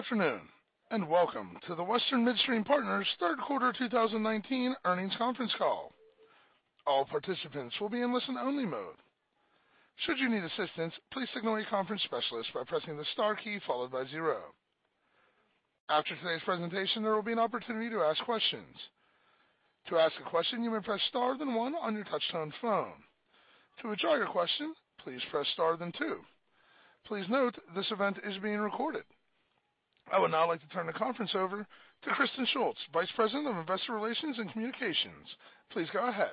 Good afternoon, and welcome to the Western Midstream Partners third quarter 2019 earnings conference call. All participants will be in listen-only mode. Should you need assistance, please signal a conference specialist by pressing the star key followed by zero. After today's presentation, there will be an opportunity to ask questions. To ask a question, you may press star, then one on your touch-tone phone. To withdraw your question, please press star, then two. Please note this event is being recorded. I would now like to turn the conference over to Kristen Shults, Vice President, Investor Relations and Communications. Please go ahead.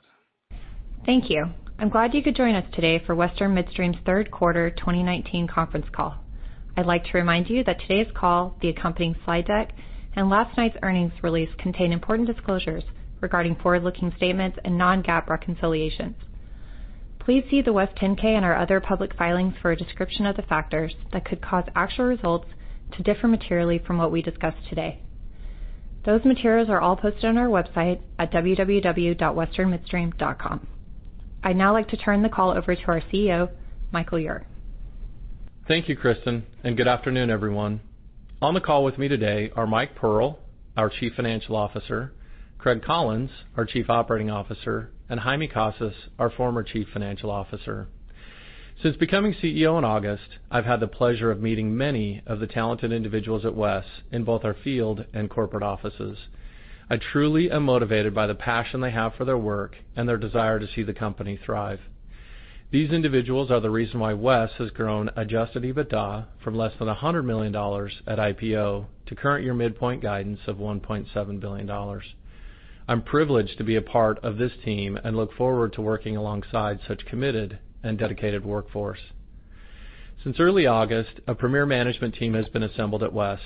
Thank you. I'm glad you could join us today for Western Midstream's third quarter 2019 conference call. I'd like to remind you that today's call, the accompanying slide deck, and last night's earnings release contain important disclosures regarding forward-looking statements and non-GAAP reconciliations. Please see the WES 10-K and our other public filings for a description of the factors that could cause actual results to differ materially from what we discuss today. Those materials are all posted on our website at www.westernmidstream.com. I'd now like to turn the call over to our CEO, Michael Ure. Thank you, Kristen, and good afternoon, everyone. On the call with me today are Mike Pearl, our Chief Financial Officer, Craig Collins, our Chief Operating Officer, and Jaime Casas, our former Chief Financial Officer. Since becoming CEO in August, I've had the pleasure of meeting many of the talented individuals at WES in both our field and corporate offices. I truly am motivated by the passion they have for their work and their desire to see the company thrive. These individuals are the reason why WES has grown adjusted EBITDA from less than $100 million at IPO to current year midpoint guidance of $1.7 billion. I'm privileged to be a part of this team and look forward to working alongside such committed and dedicated workforce. Since early August, a premier management team has been assembled at WES.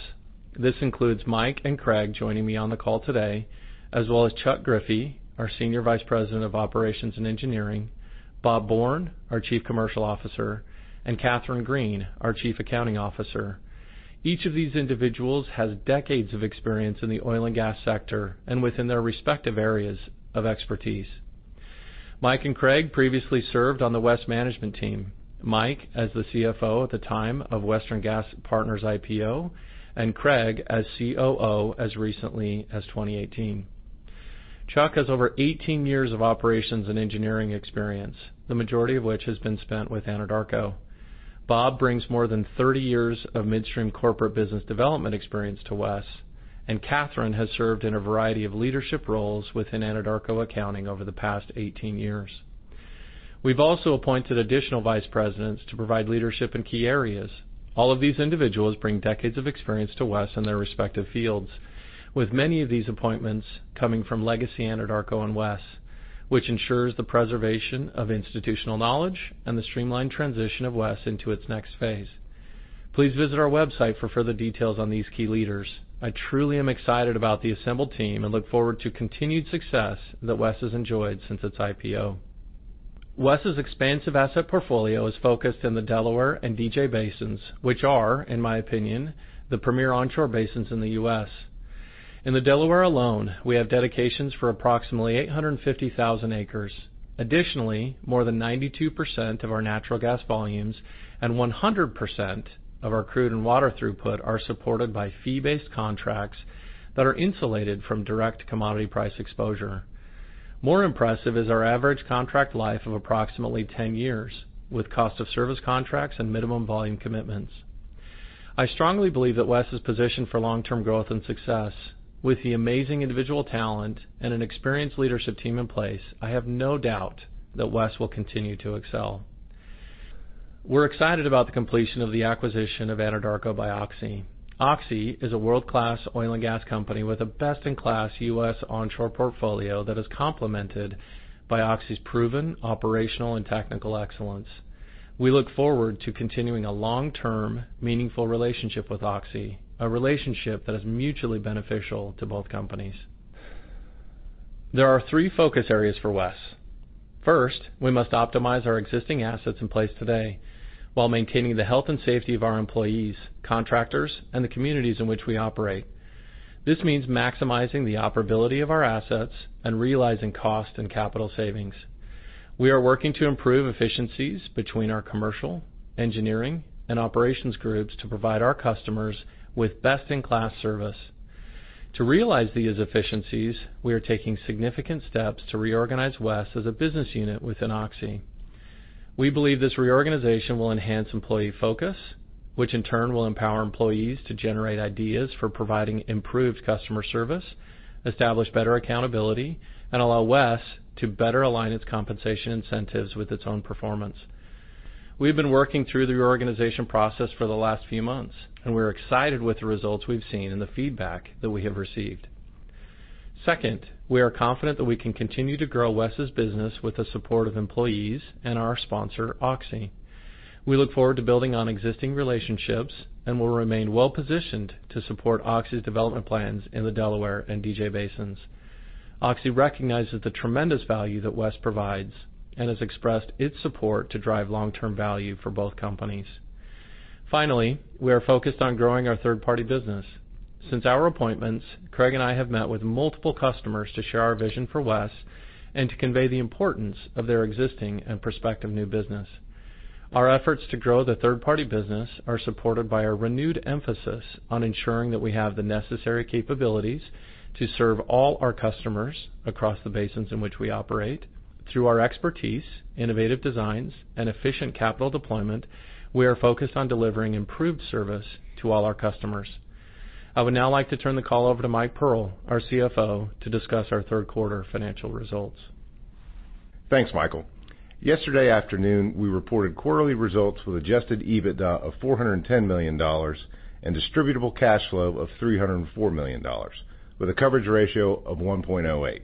This includes Mike and Craig joining me on the call today, as well as Chuck Griffie, our Senior Vice President of Operations and Engineering, Bob Bourne, our Chief Commercial Officer, and Catherine Green, our Chief Accounting Officer. Each of these individuals has decades of experience in the oil and gas sector and within their respective areas of expertise. Mike and Craig previously served on the Wes management team, Mike, as the CFO at the time of Western Gas Partners IPO and Craig as COO as recently as 2018. Chuck has over 18 years of operations and engineering experience, the majority of which has been spent with Anadarko. Catherine has served in a variety of leadership roles within Anadarko accounting over the past 18 years. We've also appointed additional vice presidents to provide leadership in key areas. All of these individuals bring decades of experience to WES in their respective fields, with many of these appointments coming from legacy Anadarko and WES, which ensures the preservation of institutional knowledge and the streamlined transition of WES into its next phase. Please visit our website for further details on these key leaders. I truly am excited about the assembled team and look forward to continued success that WES has enjoyed since its IPO. WES's expansive asset portfolio is focused in the Delaware and DJ basins, which are, in my opinion, the premier onshore basins in the U.S. In the Delaware alone, we have dedications for approximately 850,000 acres. Additionally, more than 92% of our natural gas volumes and 100% of our crude and water throughput are supported by fee-based contracts that are insulated from direct commodity price exposure. More impressive is our average contract life of approximately 10 years, with cost of service contracts and minimum volume commitments. I strongly believe that WES is positioned for long-term growth and success. With the amazing individual talent and an experienced leadership team in place, I have no doubt that WES will continue to excel. We're excited about the completion of the acquisition of Anadarko by Oxy. Oxy is a world-class oil and gas company with a best-in-class U.S. onshore portfolio that is complemented by Oxy's proven operational and technical excellence. We look forward to continuing a long-term, meaningful relationship with Oxy, a relationship that is mutually beneficial to both companies. There are three focus areas for WES. First, we must optimize our existing assets in place today while maintaining the health and safety of our employees, contractors, and the communities in which we operate. This means maximizing the operability of our assets and realizing cost and capital savings. We are working to improve efficiencies between our commercial, engineering, and operations groups to provide our customers with best-in-class service. To realize these efficiencies, we are taking significant steps to reorganize WES as a business unit within Oxy. We believe this reorganization will enhance employee focus, which in turn will empower employees to generate ideas for providing improved customer service, establish better accountability, and allow WES to better align its compensation incentives with its own performance. We've been working through the reorganization process for the last few months, and we're excited with the results we've seen and the feedback that we have received. Second, we are confident that we can continue to grow WES's business with the support of employees and our sponsor, Oxy. We look forward to building on existing relationships and will remain well-positioned to support Oxy's development plans in the Delaware and DJ basins. Oxy recognizes the tremendous value that WES provides and has expressed its support to drive long-term value for both companies. Finally, we are focused on growing our third-party business. Since our appointments, Craig and I have met with multiple customers to share our vision for WES and to convey the importance of their existing and prospective new business. Our efforts to grow the third-party business are supported by a renewed emphasis on ensuring that we have the necessary capabilities to serve all our customers across the basins in which we operate. Through our expertise, innovative designs, and efficient capital deployment, we are focused on delivering improved service to all our customers. I would now like to turn the call over to Mike Pearl, our CFO, to discuss our third-quarter financial results. Thanks, Michael. Yesterday afternoon, we reported quarterly results with adjusted EBITDA of $410 million and distributable cash flow of $304 million, with a coverage ratio of 1.08.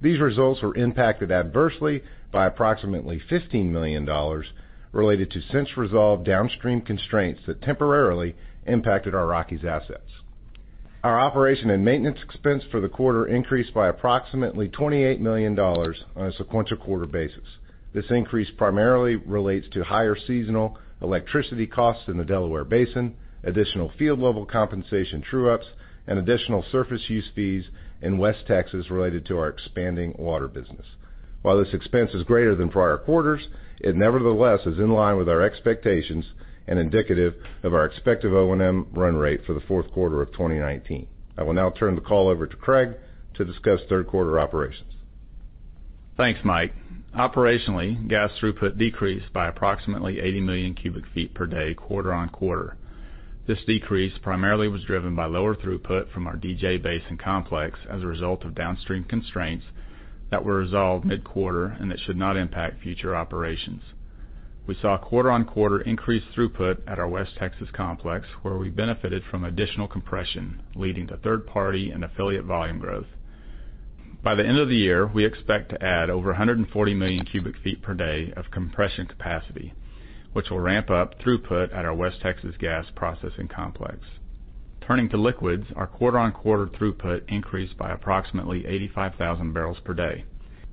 These results were impacted adversely by approximately $15 million related to since-resolved downstream constraints that temporarily impacted our Rockies assets. Our operation and maintenance expense for the quarter increased by approximately $28 million on a sequential quarter basis. This increase primarily relates to higher seasonal electricity costs in the Delaware Basin, additional field-level compensation true-ups, and additional surface use fees in West Texas related to our expanding water business. While this expense is greater than prior quarters, it nevertheless is in line with our expectations and indicative of our expected O&M run rate for the fourth quarter of 2019. I will now turn the call over to Craig to discuss third-quarter operations. Thanks, Mike. Operationally, gas throughput decreased by approximately 80 million cubic feet per day, quarter-on-quarter. This decrease primarily was driven by lower throughput from our DJ Basin Complex as a result of downstream constraints that were resolved mid-quarter, and that should not impact future operations. We saw quarter-on-quarter increased throughput at our West Texas Complex, where we benefited from additional compression, leading to third-party and affiliate volume growth. By the end of the year, we expect to add over 140 million cubic feet per day of compression capacity, which will ramp up throughput at our West Texas Gas Processing Complex. Turning to liquids, our quarter-on-quarter throughput increased by approximately 85,000 barrels per day.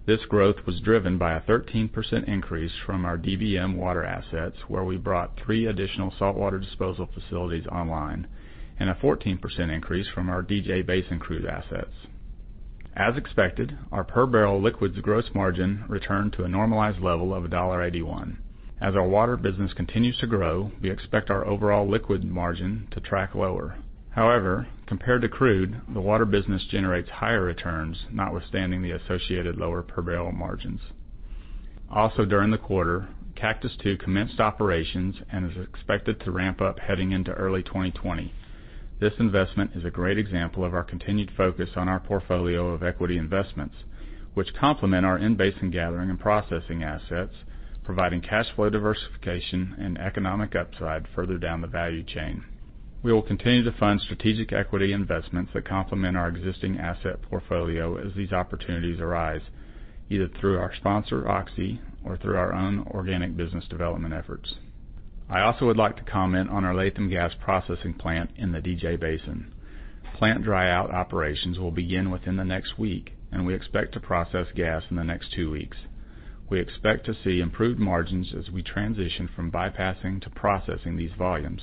This growth was driven by a 13% increase from our DBM water assets, where we brought three additional saltwater disposal facilities online, and a 14% increase from our DJ Basin crude assets. As expected, our per-barrel liquids gross margin returned to a normalized level of $1.81. As our water business continues to grow, we expect our overall liquid margin to track lower. However, compared to crude, the water business generates higher returns, notwithstanding the associated lower per-barrel margins. Also during the quarter, Cactus II commenced operations and is expected to ramp up heading into early 2020. This investment is a great example of our continued focus on our portfolio of equity investments, which complement our in-basin gathering and processing assets, providing cash flow diversification and economic upside further down the value chain. We will continue to fund strategic equity investments that complement our existing asset portfolio as these opportunities arise, either through our sponsor, Oxy, or through our own organic business development efforts. I also would like to comment on our Latham Gas Processing Plant in the DJ Basin. Plant dry-out operations will begin within the next week, and we expect to process gas in the next two weeks. We expect to see improved margins as we transition from bypassing to processing these volumes.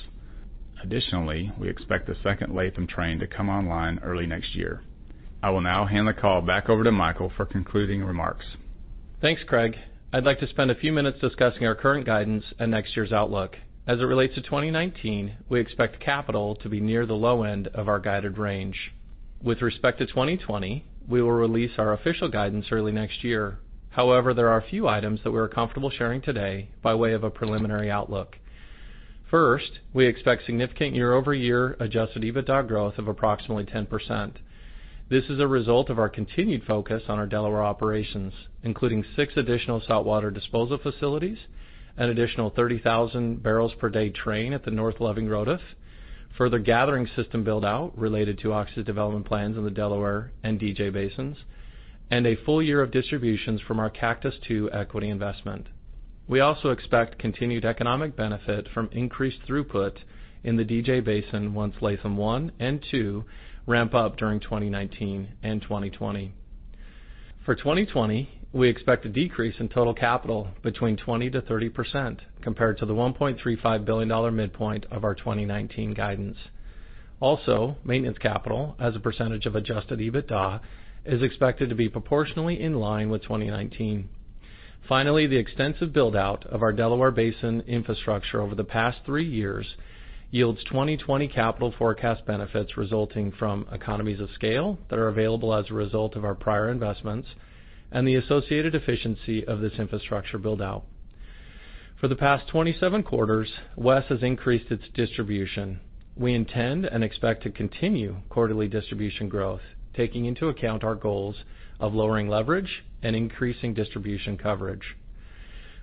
Additionally, we expect the second Latham train to come online early next year. I will now hand the call back over to Michael for concluding remarks. Thanks, Craig. I'd like to spend a few minutes discussing our current guidance and next year's outlook. As it relates to 2019, we expect capital to be near the low end of our guided range. With respect to 2020, we will release our official guidance early next year. However, there are a few items that we are comfortable sharing today by way of a preliminary outlook. First, we expect significant year-over-year adjusted EBITDA growth of approximately 10%. This is a result of our continued focus on our Delaware operations, including six additional saltwater disposal facilities, an additional 30,000 barrels per day train at the North Loving Rotus, further gathering system build-out related to Oxy's development plans in the Delaware and DJ Basins, and a full year of distributions from our Cactus II equity investment. We also expect continued economic benefit from increased throughput in the DJ Basin once Latham I and II ramp up during 2019 and 2020. For 2020, we expect a decrease in total capital between 20%-30% compared to the $1.35 billion midpoint of our 2019 guidance. Also, maintenance capital as a percentage of adjusted EBITDA is expected to be proportionally in line with 2019. Finally, the extensive build-out of our Delaware Basin infrastructure over the past three years yields 2020 capital forecast benefits resulting from economies of scale that are available as a result of our prior investments and the associated efficiency of this infrastructure build-out. For the past 27 quarters, WES has increased its distribution. We intend and expect to continue quarterly distribution growth, taking into account our goals of lowering leverage and increasing distribution coverage.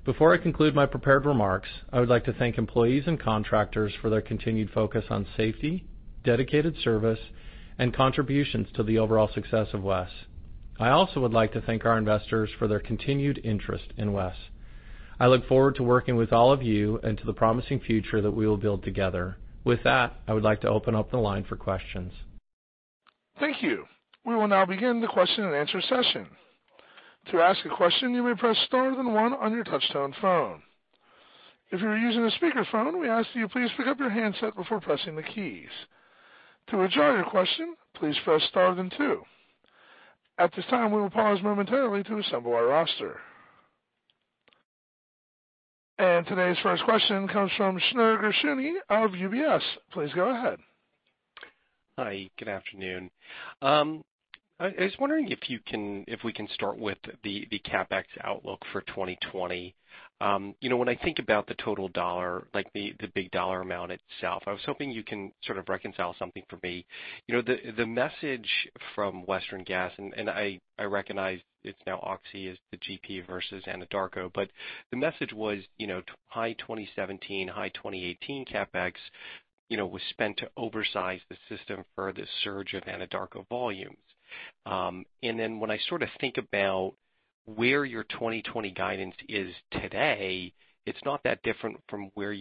Before I conclude my prepared remarks, I would like to thank employees and contractors for their continued focus on safety, dedicated service, and contributions to the overall success of WES. I also would like to thank our investors for their continued interest in WES. I look forward to working with all of you and to the promising future that we will build together. With that, I would like to open up the line for questions. Thank you. We will now begin the question and answer session. To ask a question, you may press star then one on your touch-tone phone. If you are using a speakerphone, we ask that you please pick up your handset before pressing the keys. To withdraw your question, please press star then two. At this time, we will pause momentarily to assemble our roster. Today's first question comes from Shneur Gershuni of UBS. Please go ahead. Hi, good afternoon. I was wondering if we can start with the CapEx outlook for 2020. When I think about the total dollar, like the big dollar amount itself, I was hoping you can sort of reconcile something for me. The message from Western Gas, and I recognize it's now Oxy is the GP versus Anadarko, but the message was high 2017, high 2018 CapEx was spent to oversize the system for the surge of Anadarko volumes. When I sort of think about where your 2020 guidance is today, it's not that different from where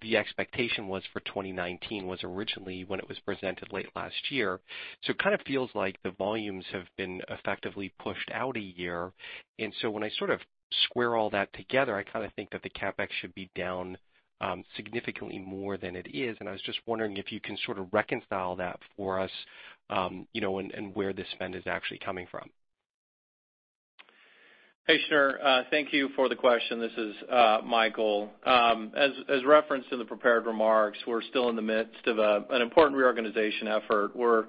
the expectation was for 2019 was originally when it was presented late last year. It kind of feels like the volumes have been effectively pushed out a year. When I sort of square all that together, I kind of think that the CapEx should be down significantly more than it is, and I was just wondering if you can sort of reconcile that for us, and where the spend is actually coming from. Hey, Shneur. Thank you for the question. This is Michael. As referenced in the prepared remarks, we're still in the midst of an important reorganization effort. We're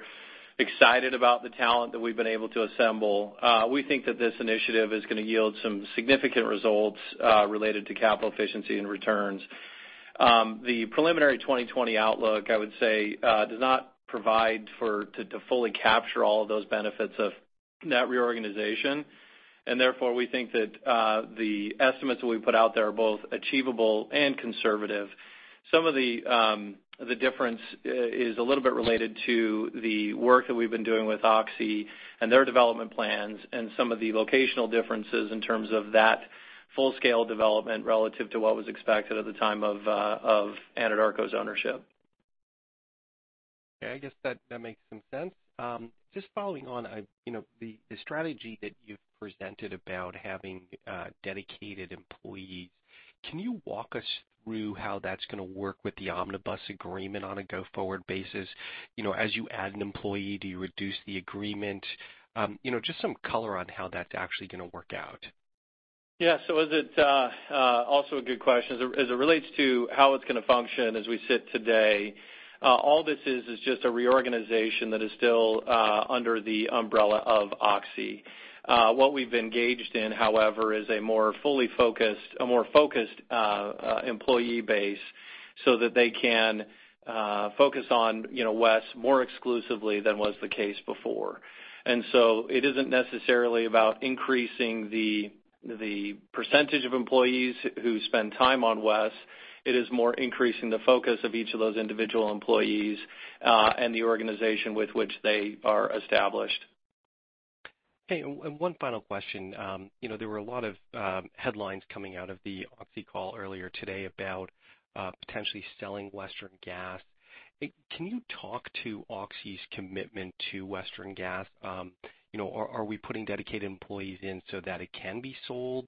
excited about the talent that we've been able to assemble. We think that this initiative is going to yield some significant results related to capital efficiency and returns. The preliminary 2020 outlook, I would say, does not provide to fully capture all of those benefits of that reorganization, and therefore, we think that the estimates that we put out there are both achievable and conservative. Some of the difference is a little bit related to the work that we've been doing with Oxy and their development plans and some of the locational differences in terms of that full-scale development relative to what was expected at the time of Anadarko's ownership. Okay. I guess that makes some sense. Just following on, the strategy that you've presented about having dedicated employees, can you walk us through how that's going to work with the omnibus agreement on a go-forward basis? As you add an employee, do you reduce the agreement? Just some color on how that's actually going to work out. Yeah. It is also a good question. As it relates to how it's going to function as we sit today, all this is just a reorganization that is still under the umbrella of Oxy. What we've engaged in, however, is a more focused employee base so that they can focus on West more exclusively than was the case before. It isn't necessarily about increasing the percentage of employees who spend time on West, it is more increasing the focus of each of those individual employees, and the organization with which they are established. Okay. One final question. There were a lot of headlines coming out of the Oxy call earlier today about potentially selling Western Gas. Can you talk to Oxy's commitment to Western Gas? Are we putting dedicated employees in so that it can be sold?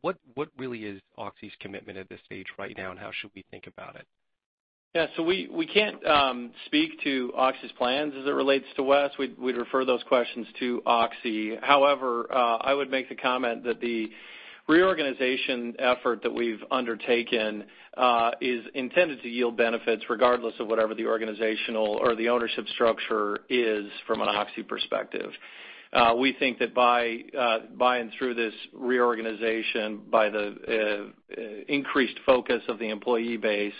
What really is Oxy's commitment at this stage right now, and how should we think about it? Yeah. We can't speak to Oxy's plans as it relates to Western Midstream. We'd refer those questions to Oxy. However, I would make the comment that the reorganization effort that we've undertaken is intended to yield benefits regardless of whatever the organizational or the ownership structure is from an Oxy perspective. We think that by and through this reorganization, by the increased focus of the employee base,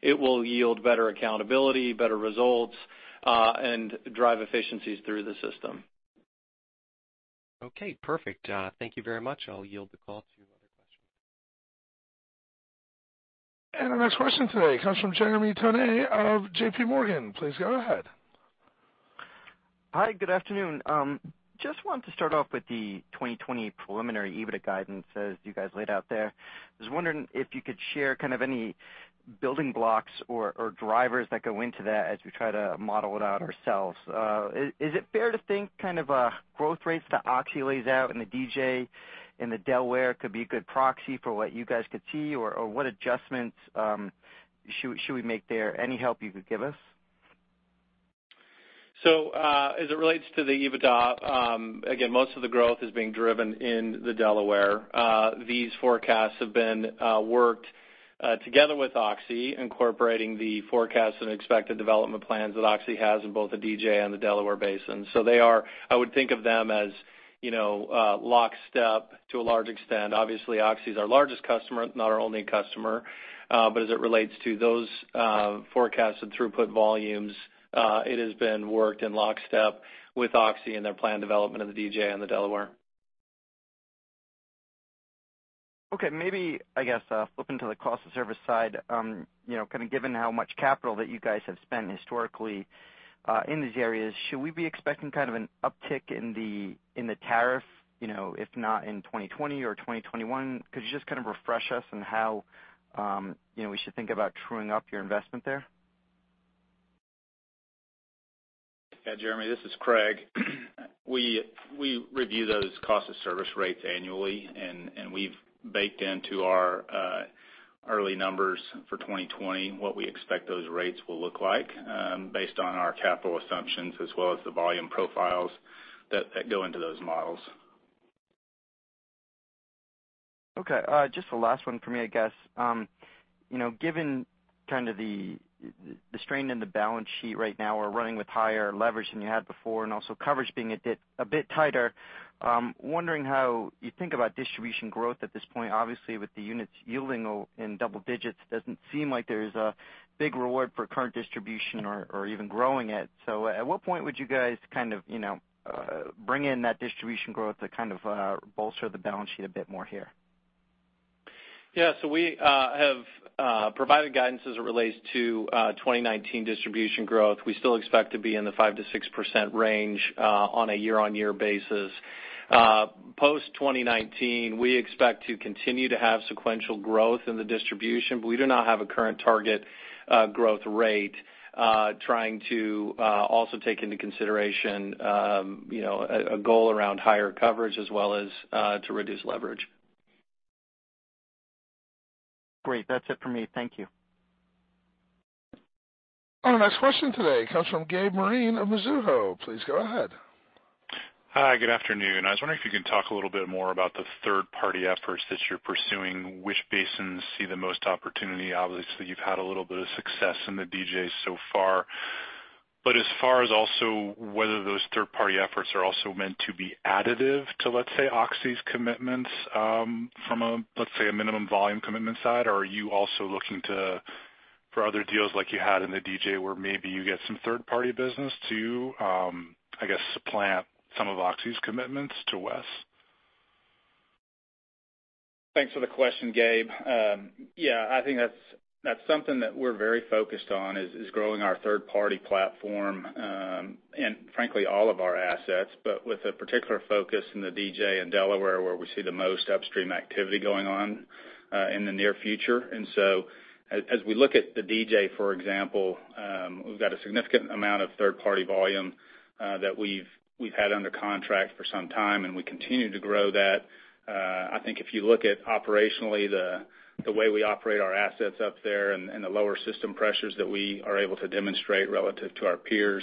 it will yield better accountability, better results, and drive efficiencies through the system. Okay, perfect. Thank you very much. I'll yield the call to other questions. Our next question today comes from Jeremy Tonet of JPMorgan. Please go ahead. Hi, good afternoon. Just wanted to start off with the 2020 preliminary EBITDA guidance as you guys laid out there. I was wondering if you could share kind of any building blocks or drivers that go into that as we try to model it out ourselves. Is it fair to think kind of growth rates that Oxy lays out in the DJ, in the Delaware could be a good proxy for what you guys could see, or what adjustments should we make there? Any help you could give us? As it relates to the EBITDA, again, most of the growth is being driven in the Delaware. These forecasts have been worked together with Oxy, incorporating the forecasts and expected development plans that Oxy has in both the DJ and the Delaware Basin. I would think of them as lockstep to a large extent. Obviously, Oxy's our largest customer, not our only customer. As it relates to those forecasted throughput volumes, it has been worked in lockstep with Oxy and their planned development of the DJ and the Delaware. Okay. Maybe, I guess, flipping to the cost of service side, kind of given how much capital that you guys have spent historically in these areas, should we be expecting kind of an uptick in the tariff, if not in 2020 or 2021? Could you just kind of refresh us on how we should think about truing up your investment there? Yeah, Jeremy, this is Craig. We review those cost of service rates annually, and we've baked into our early numbers for 2020 what we expect those rates will look like based on our capital assumptions as well as the volume profiles that go into those models. Okay. Just the last one from me, I guess. Given kind of the strain in the balance sheet right now, or running with higher leverage than you had before, and also coverage being a bit tighter, I'm wondering how you think about distribution growth at this point. Obviously, with the units yielding in double digits, it doesn't seem like there's a big reward for current distribution or even growing it. At what point would you guys kind of bring in that distribution growth to kind of bolster the balance sheet a bit more here? We have provided guidance as it relates to 2019 distribution growth. We still expect to be in the 5%-6% range on a year-on-year basis. Post-2019, we expect to continue to have sequential growth in the distribution, we do not have a current target growth rate, trying to also take into consideration a goal around higher coverage as well as to reduce leverage. Great. That's it for me. Thank you. Our next question today comes from Gabe Moreen of Mizuho. Please go ahead. Hi, good afternoon. I was wondering if you can talk a little bit more about the third-party efforts that you're pursuing, which basins see the most opportunity. You've had a little bit of success in the DJ so far. As far as also whether those third-party efforts are also meant to be additive to, let's say, Oxy's commitments from a minimum volume commitment side, or are you also looking for other deals like you had in the DJ where maybe you get some third-party business to, I guess, supplant some of Oxy's commitments to West? Thanks for the question, Gabe. I think that's something that we're very focused on is growing our third-party platform, and frankly, all of our assets, but with a particular focus in the DJ and Delaware, where we see the most upstream activity going on in the near future. As we look at the DJ, for example, we've got a significant amount of third-party volume that we've had under contract for some time, and we continue to grow that. I think if you look at operationally the way we operate our assets up there and the lower system pressures that we are able to demonstrate relative to our peers,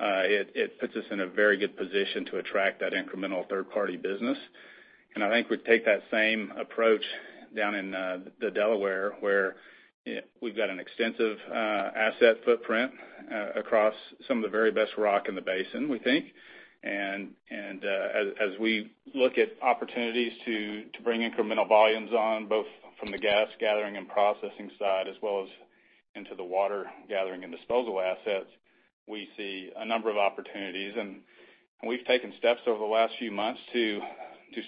it puts us in a very good position to attract that incremental third-party business. I think we take that same approach down in the Delaware, where we've got an extensive asset footprint across some of the very best rock in the basin, we think. As we look at opportunities to bring incremental volumes on, both from the gas gathering and processing side, as well as into the water gathering and disposal assets, we see a number of opportunities. We've taken steps over the last few months to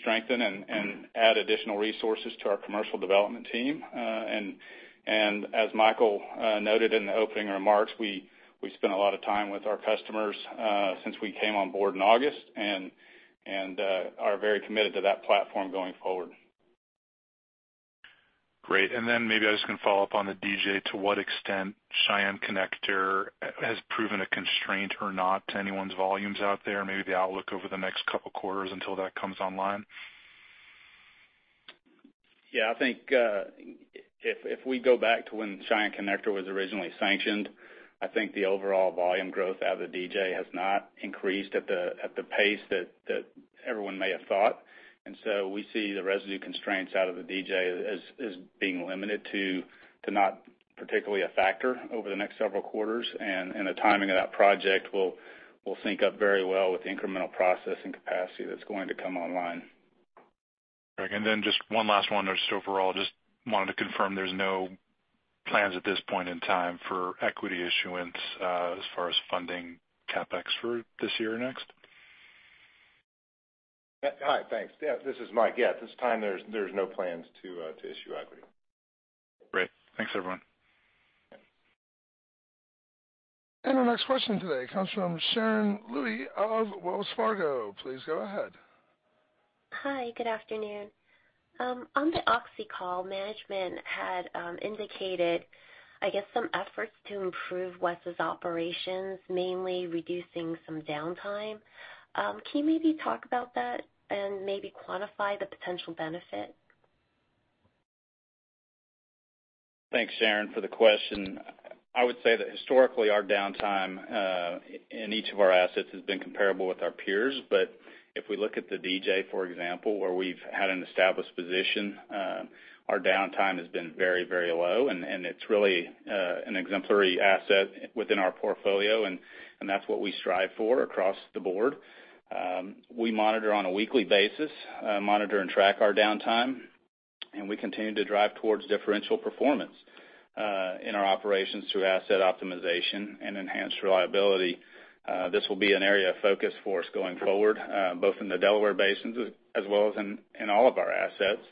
strengthen and add additional resources to our commercial development team. As Michael noted in the opening remarks, we spent a lot of time with our customers since we came on board in August and are very committed to that platform going forward. Great. Then maybe I was going to follow up on the DJ. To what extent Cheyenne Connector has proven a constraint or not to anyone's volumes out there, maybe the outlook over the next couple of quarters until that comes online? Yeah, I think if we go back to when Cheyenne Connector was originally sanctioned, I think the overall volume growth out of the DJ has not increased at the pace that everyone may have thought. We see the residue constraints out of the DJ as being limited to not particularly a factor over the next several quarters. The timing of that project will sync up very well with the incremental processing capacity that's going to come online. Right. Then just one last one, just overall, just wanted to confirm there's no plans at this point in time for equity issuance as far as funding CapEx for this year or next. Hi, thanks. Yeah, this is Mike. Yeah, at this time, there's no plans to issue equity. Great. Thanks, everyone. Our next question today comes from Sharon Louie of Wells Fargo. Please go ahead. Hi, good afternoon. On the Oxy call, management had indicated, I guess, some efforts to improve Western Midstream's operations, mainly reducing some downtime. Can you maybe talk about that and maybe quantify the potential benefit? Thanks, Sharon, for the question. I would say that historically, our downtime in each of our assets has been comparable with our peers. If we look at the DJ, for example, where we've had an established position, our downtime has been very low, and it's really an exemplary asset within our portfolio, and that's what we strive for across the board. We monitor on a weekly basis, monitor and track our downtime, and we continue to drive towards differential performance in our operations through asset optimization and enhanced reliability. This will be an area of focus for us going forward, both in the Delaware Basin as well as in all of our assets.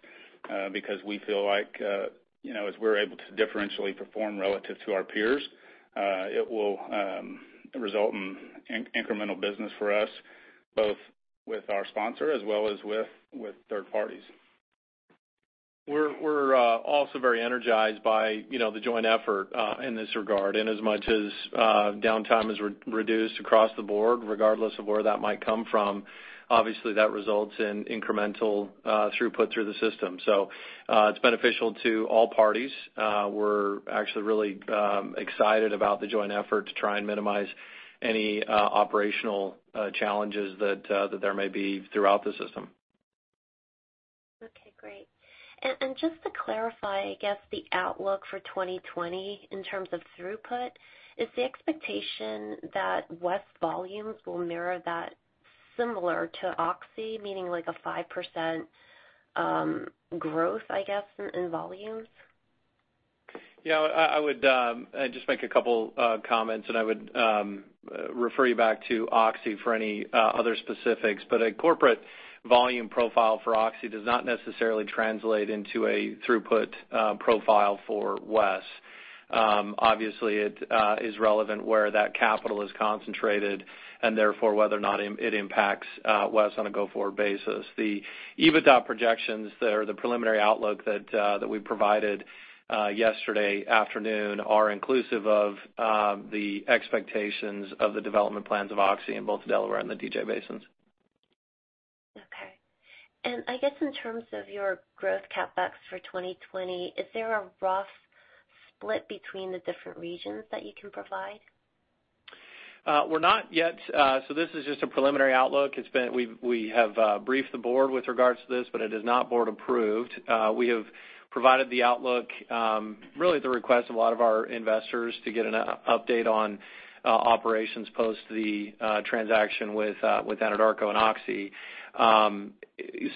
Because we feel like as we're able to differentially perform relative to our peers, it will result in incremental business for us, both with our sponsor as well as with third parties. We're also very energized by the joint effort in this regard. In as much as downtime is reduced across the board, regardless of where that might come from, obviously that results in incremental throughput through the system. It's beneficial to all parties. We're actually really excited about the joint effort to try and minimize any operational challenges that there may be throughout the system. Okay, great. Just to clarify, I guess the outlook for 2020 in terms of throughput, is the expectation that West volumes will mirror that similar to Oxy, meaning like a 5% growth, I guess, in volumes? I would just make a couple comments, and I would refer you back to Oxy for any other specifics. A corporate volume profile for Oxy does not necessarily translate into a throughput profile for West. Obviously, it is relevant where that capital is concentrated and therefore whether or not it impacts West on a go-forward basis. The EBITDA projections or the preliminary outlook that we provided yesterday afternoon are inclusive of the expectations of the development plans of Oxy in both Delaware and the DJ basins. Okay. I guess in terms of your growth CapEx for 2020, is there a rough split between the different regions that you can provide? This is just a preliminary outlook. We have briefed the board with regards to this, but it is not board-approved. We have provided the outlook, really at the request of a lot of our investors to get an update on operations post the transaction with Anadarko and Oxy.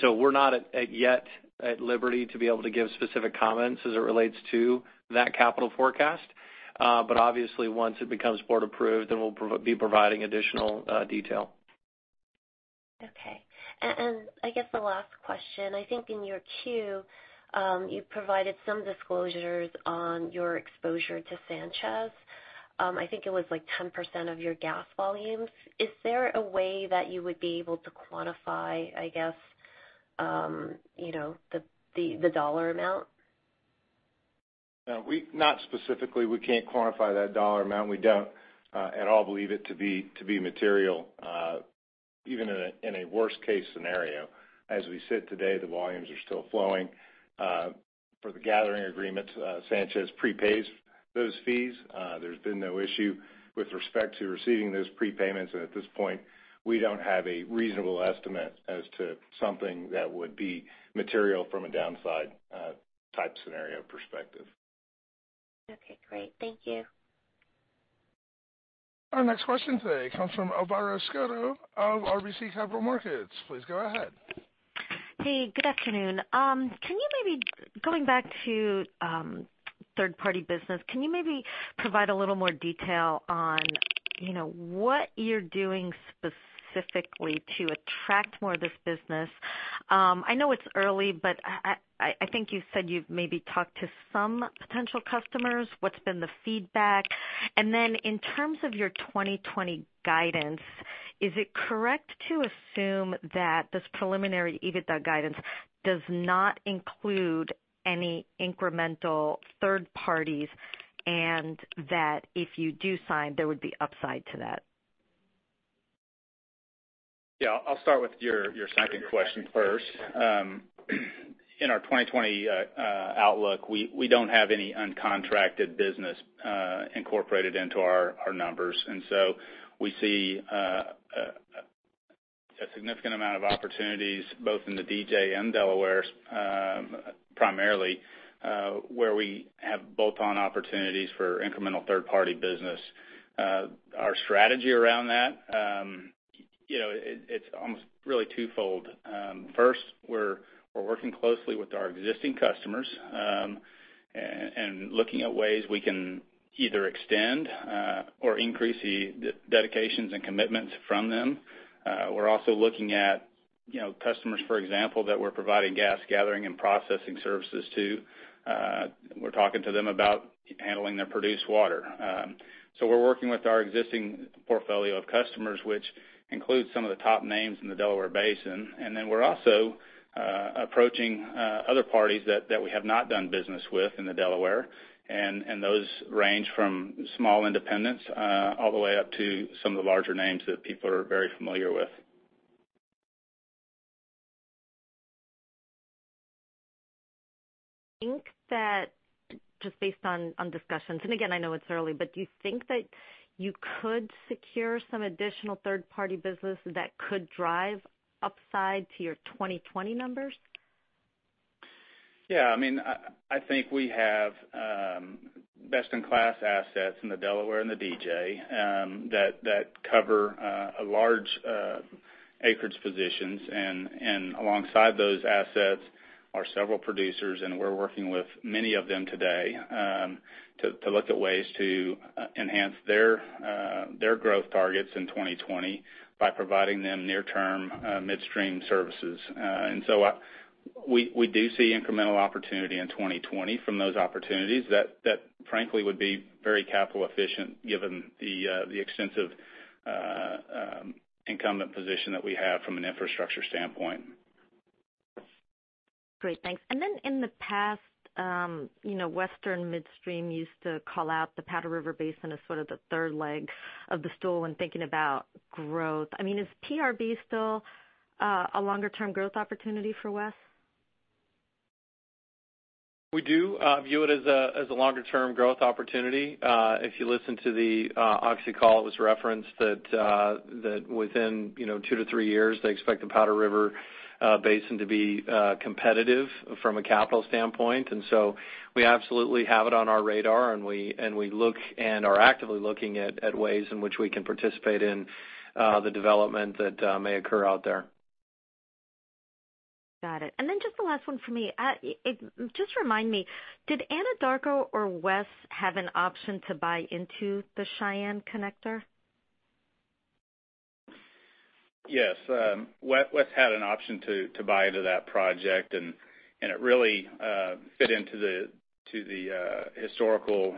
We're not yet at liberty to be able to give specific comments as it relates to that capital forecast. Obviously once it becomes board-approved, we'll be providing additional detail. Okay. I guess the last question, I think in your Q, you provided some disclosures on your exposure to Sanchez. I think it was like 10% of your gas volumes. Is there a way that you would be able to quantify, I guess, the dollar amount? Not specifically. We can't quantify that dollar amount. We don't at all believe it to be material even in a worst-case scenario. As we sit today, the volumes are still flowing. For the gathering agreements, Sanchez prepays those fees. There's been no issue with respect to receiving those prepayments, and at this point, we don't have a reasonable estimate as to something that would be material from a downside type scenario perspective. Okay, great. Thank you. Our next question today comes from Alvaro Escoto of RBC Capital Markets. Please go ahead. Hey, good afternoon. Going back to third-party business, can you maybe provide a little more detail on what you're doing specifically to attract more of this business? I know it's early, but I think you said you've maybe talked to some potential customers. What's been the feedback? In terms of your 2020 guidance, is it correct to assume that this preliminary EBITDA guidance does not include any incremental third parties, and that if you do sign, there would be upside to that? Yeah. I'll start with your second question first. In our 2020 outlook, we don't have any uncontracted business incorporated into our numbers. We see a significant amount of opportunities both in the DJ and Delaware primarily where we have bolt-on opportunities for incremental third-party business. Our strategy around that, it's almost really twofold. First, we're working closely with our existing customers and looking at ways we can either extend or increase the dedications and commitments from them. We're also looking at customers, for example, that we're providing gas gathering and processing services to. We're talking to them about handling their produced water. We're working with our existing portfolio of customers, which includes some of the top names in the Delaware Basin. We're also approaching other parties that we have not done business with in the Delaware. Those range from small independents all the way up to some of the larger names that people are very familiar with. Do you think that just based on discussions, and again, I know it's early, but do you think that you could secure some additional third-party business that could drive upside to your 2020 numbers? I think we have best-in-class assets in the Delaware and the DJ that cover a large acreage positions, and alongside those assets are several producers, and we're working with many of them today to look at ways to enhance their growth targets in 2020 by providing them near-term midstream services. We do see incremental opportunity in 2020 from those opportunities that frankly would be very capital-efficient given the extensive incumbent position that we have from an infrastructure standpoint. Great, thanks. Then in the past, Western Midstream used to call out the Powder River Basin as sort of the third leg of the stool when thinking about growth. Is PRB still a longer-term growth opportunity for WES? We do view it as a longer-term growth opportunity. If you listen to the Oxy call, it was referenced that within two to three years, they expect the Powder River Basin to be competitive from a capital standpoint. We absolutely have it on our radar, and we look and are actively looking at ways in which we can participate in the development that may occur out there. Got it. Just the last one for me. Just remind me, did Anadarko or WES have an option to buy into the Cheyenne Connector? Yes. WES had an option to buy into that project. It really fit into the historical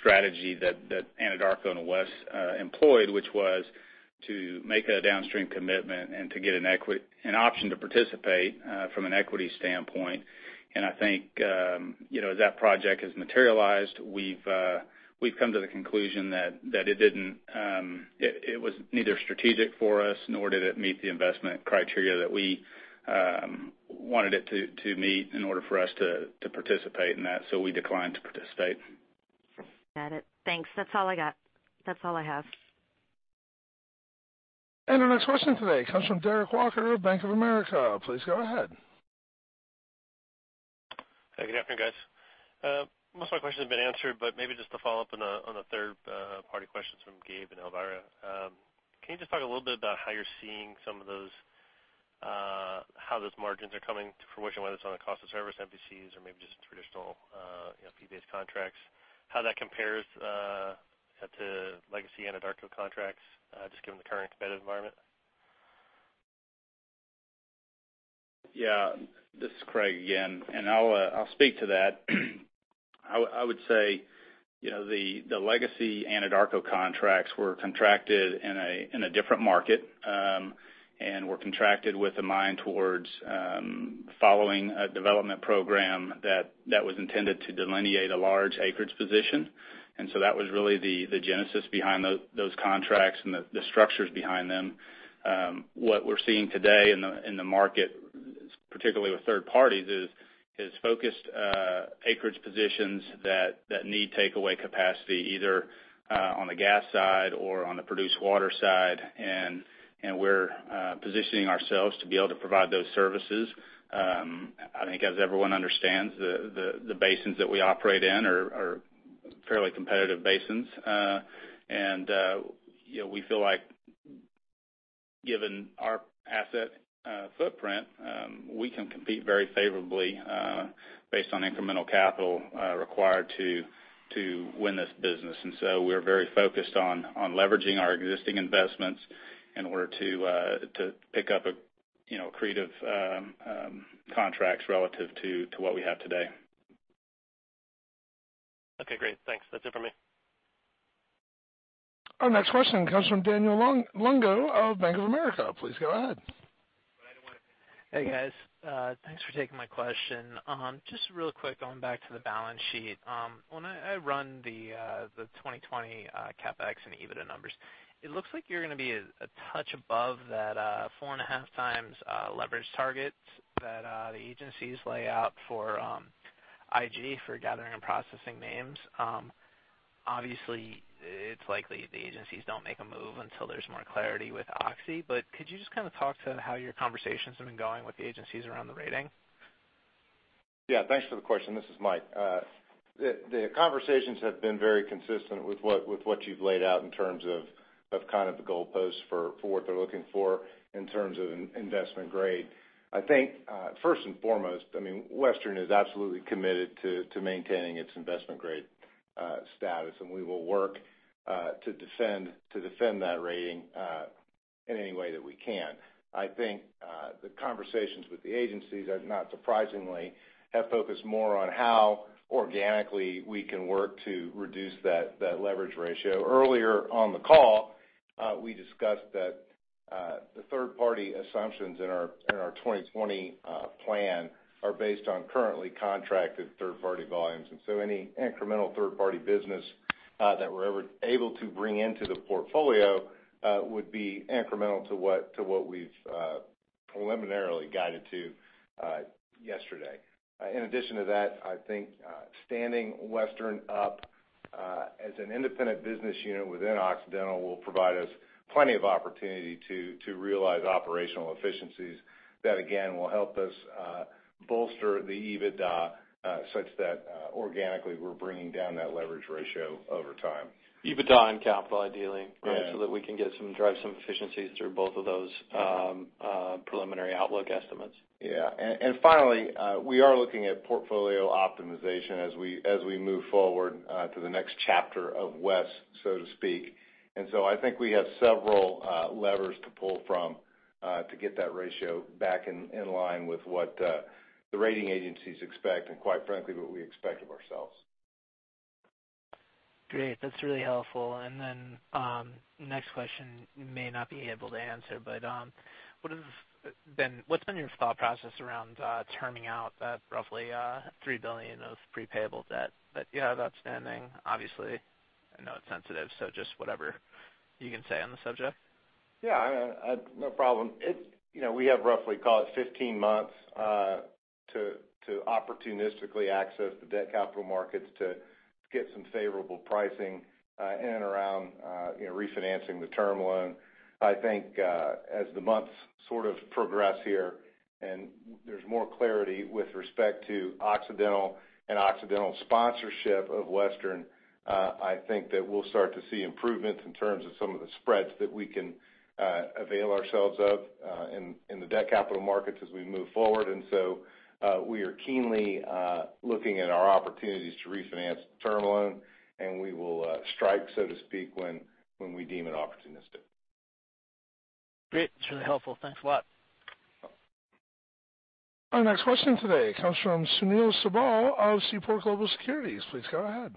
strategy that Anadarko and WES employed, which was to make a downstream commitment and to get an option to participate from an equity standpoint. I think as that project has materialized, we've come to the conclusion that it was neither strategic for us, nor did it meet the investment criteria that we wanted it to meet in order for us to participate in that. We declined to participate. Got it. Thanks. That's all I got. That's all I have. Our next question today comes from Derrick Walker of Bank of America. Please go ahead. Hey, good afternoon, guys. Most of my questions have been answered. Maybe just to follow up on a third-party questions from Gabe and Alvaro. Can you just talk a little bit about how you're seeing how those margins are coming to fruition, whether it's on a cost of service MVCs or maybe just traditional fee-based contracts, how that compares to legacy Anadarko contracts, just given the current competitive environment? Yeah. This is Craig again. I'll speak to that. I would say, the legacy Anadarko contracts were contracted in a different market, were contracted with a mind towards following a development program that was intended to delineate a large acreage position. That was really the genesis behind those contracts and the structures behind them. What we're seeing today in the market, particularly with third parties is focused acreage positions that need takeaway capacity, either on the gas side or on the produced water side. We're positioning ourselves to be able to provide those services. I think as everyone understands, the basins that we operate in are fairly competitive basins. We feel like given our asset footprint, we can compete very favorably based on incremental capital required to win this business. We're very focused on leveraging our existing investments in order to pick up accretive contracts relative to what we have today. Okay, great. Thanks. That's it for me. Our next question comes from Daniel Lungo of Bank of America. Please go ahead. Hey, guys. Thanks for taking my question. Just real quick, going back to the balance sheet. When I run the 2020 CapEx and EBITDA numbers, it looks like you're going to be a touch above that four and a half times leverage target that the agencies lay out for IG for gathering and processing names. Obviously, it's likely the agencies don't make a move until there's more clarity with Oxy. Could you just talk to how your conversations have been going with the agencies around the rating? Yeah. Thanks for the question. This is Mike. The conversations have been very consistent with what you've laid out in terms of the goalposts for what they're looking for in terms of investment-grade. I think, first and foremost, Western is absolutely committed to maintaining its investment-grade status. We will work to defend that rating in any way that we can. I think the conversations with the agencies, not surprisingly, have focused more on how organically we can work to reduce that leverage ratio. Earlier on the call, we discussed that the third-party assumptions in our 2020 plan are based on currently contracted third-party volumes. Any incremental third-party business that we're able to bring into the portfolio would be incremental to what we've preliminarily guided to yesterday. In addition to that, I think standing Western up as an independent business unit within Occidental will provide us plenty of opportunity to realize operational efficiencies that, again, will help us bolster the EBITDA such that organically we're bringing down that leverage ratio over time. EBITDA and capital ideally Yeah That we can drive some efficiencies through both of those preliminary outlook estimates. Yeah. Finally, we are looking at portfolio optimization as we move forward to the next chapter of WES, so to speak. I think we have several levers to pull from to get that ratio back in line with what the rating agencies expect and quite frankly, what we expect of ourselves. Great. That's really helpful. Next question you may not be able to answer, but what's been your thought process around terming out that roughly $3 billion of pre-payable debt that you have outstanding? Obviously, I know it's sensitive, so just whatever you can say on the subject. No problem. We have roughly, call it 15 months to opportunistically access the debt capital markets to get some favorable pricing in and around refinancing the term loan. I think as the months sort of progress here, and there's more clarity with respect to Occidental and Occidental's sponsorship of Western, I think that we'll start to see improvements in terms of some of the spreads that we can avail ourselves of in the debt capital markets as we move forward. We are keenly looking at our opportunities to refinance the term loan, and we will strike, so to speak, when we deem it opportunistic. Great. That's really helpful. Thanks a lot. Our next question today comes from Sunil Sibal of Seaport Global Securities. Please go ahead.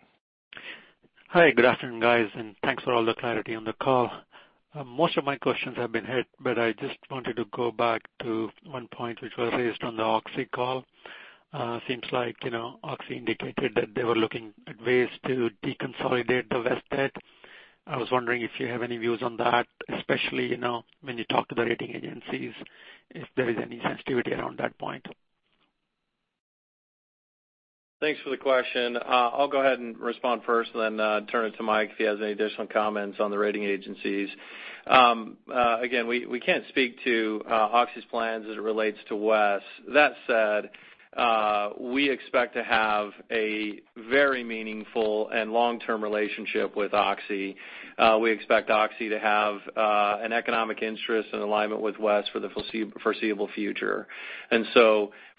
Hi. Good afternoon, guys, and thanks for all the clarity on the call. Most of my questions have been hit, but I just wanted to go back to one point which was raised on the Oxy call. Seems like Oxy indicated that they were looking at ways to deconsolidate the WES debt. I was wondering if you have any views on that, especially when you talk to the rating agencies, if there is any sensitivity around that point. Thanks for the question. I'll go ahead and respond first and then turn it to Mike if he has any additional comments on the rating agencies. Again, we can't speak to Oxy's plans as it relates to West. That said, we expect to have a very meaningful and long-term relationship with Oxy. We expect Oxy to have an economic interest and alignment with West for the foreseeable future.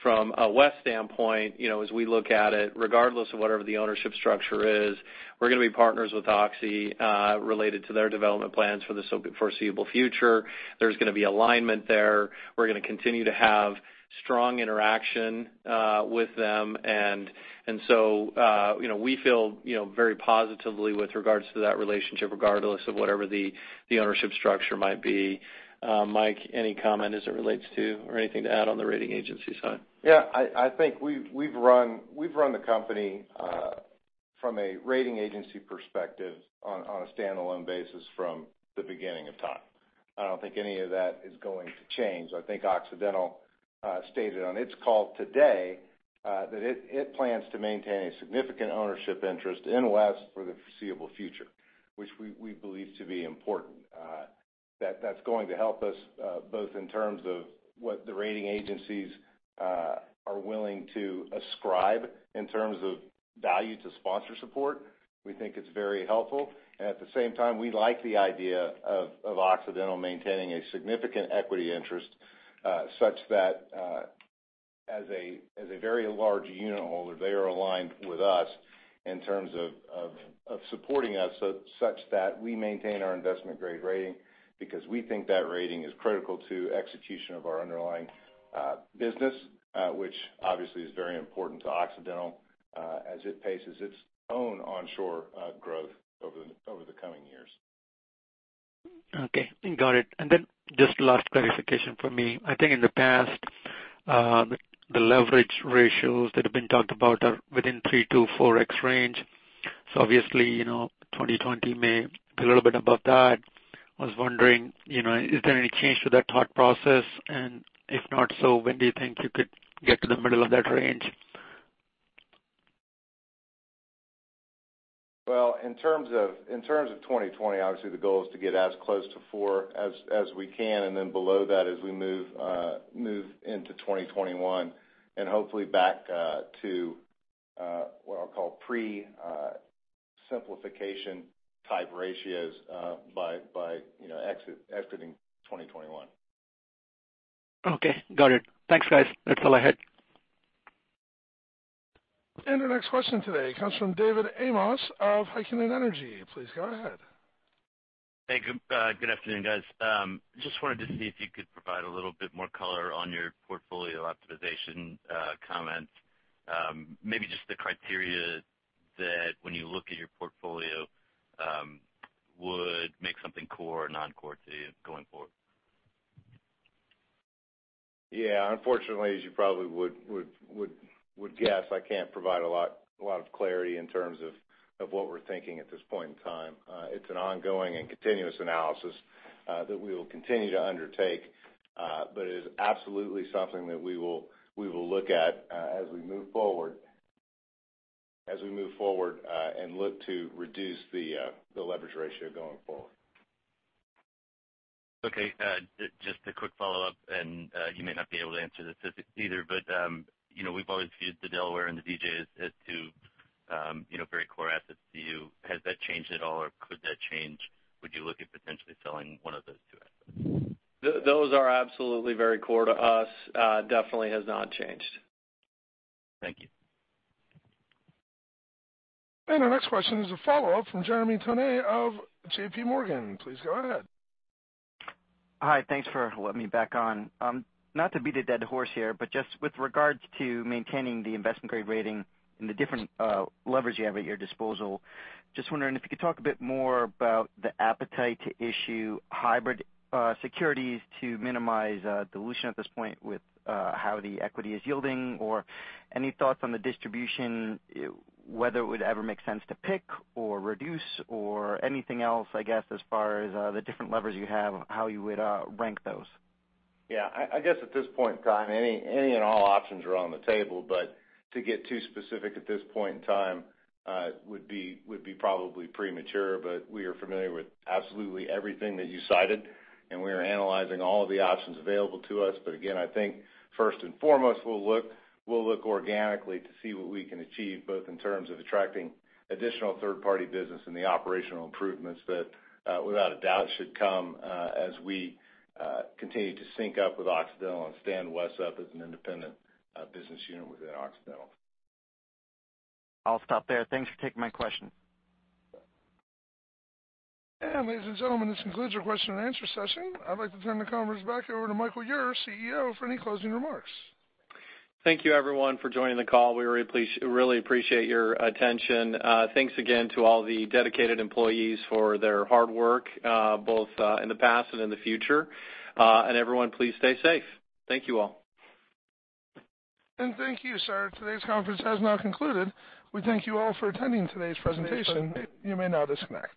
From a West standpoint, as we look at it, regardless of whatever the ownership structure is, we're going to be partners with Oxy related to their development plans for the foreseeable future. There's going to be alignment there. We're going to continue to have strong interaction with them. We feel very positively with regards to that relationship, regardless of whatever the ownership structure might be. Mike, any comment as it relates to or anything to add on the rating agency side? Yeah. I think we've run the company from a rating agency perspective on a standalone basis from the beginning of time. I don't think any of that is going to change. I think Occidental stated on its call today that it plans to maintain a significant ownership interest in West for the foreseeable future, which we believe to be important. That's going to help us both in terms of what the rating agencies are willing to ascribe in terms of value to sponsor support. We think it's very helpful. At the same time, we like the idea of Occidental maintaining a significant equity interest such that as a very large unitholder, they are aligned with us in terms of supporting us such that we maintain our investment-grade rating because we think that rating is critical to execution of our underlying business which obviously is very important to Occidental as it paces its own onshore growth over the coming years. Okay. Got it. Just last clarification from me. I think in the past, the leverage ratios that have been talked about are within 3x-4x range. Obviously, 2020 may be a little bit above that. I was wondering, is there any change to that thought process? If not, when do you think you could get to the middle of that range? Well, in terms of 2020, obviously, the goal is to get as close to 4 as we can, and then below that as we move into 2021, and hopefully back to what I'll call pre-simplification type ratios by exiting 2021. Okay. Got it. Thanks, guys. That's all I had. Our next question today comes from David Amoss of Heikkinen Energy. Please go ahead. Hey. Good afternoon, guys. Just wanted to see if you could provide a little bit more color on your portfolio optimization comments. Maybe just the criteria that when you look at your portfolio would make something core or non-core to you going forward. Yeah. Unfortunately, as you probably would guess, I can't provide a lot of clarity in terms of what we're thinking at this point in time. It's an ongoing and continuous analysis that we will continue to undertake. It is absolutely something that we will look at as we move forward and look to reduce the leverage ratio going forward. Okay. Just a quick follow-up, and you may not be able to answer this either, but we've always viewed the Delaware and the DJ as two very core assets to you. Has that changed at all or could that change? Would you look at potentially selling one of those two assets? Those are absolutely very core to us. Definitely has not changed. Thank you. Our next question is a follow-up from Jeremy Tonet of JPMorgan. Please go ahead. Hi. Thanks for letting me back on. Just with regards to maintaining the investment-grade rating and the different levers you have at your disposal, just wondering if you could talk a bit more about the appetite to issue hybrid securities to minimize dilution at this point with how the equity is yielding, or any thoughts on the distribution, whether it would ever make sense to pick or reduce or anything else, I guess, as far as the different levers you have, how you would rank those. Yeah. I guess at this point in time, any and all options are on the table, but to get too specific at this point in time would be probably premature, but we are familiar with absolutely everything that you cited, and we are analyzing all of the options available to us. Again, I think first and foremost, we'll look organically to see what we can achieve, both in terms of attracting additional third-party business and the operational improvements that without a doubt should come as we continue to sync up with Occidental and stand West up as an independent business unit within Occidental. I'll stop there. Thanks for taking my question. Ladies and gentlemen, this concludes our question and answer session. I'd like to turn the conference back over to Michael Ure, CEO, for any closing remarks. Thank you everyone for joining the call. We really appreciate your attention. Thanks again to all the dedicated employees for their hard work both in the past and in the future. Everyone, please stay safe. Thank you all. Thank you, sir. Today's conference has now concluded. We thank you all for attending today's presentation. You may now disconnect.